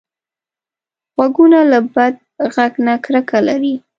غوږونه له بد غږ نه کرکه لري